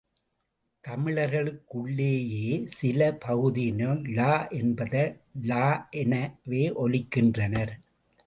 தமிழர்களுள்ளேயே சில பகுதியினர் ழ என்பதை ள எனவே ஒலிக்கின்றனர்.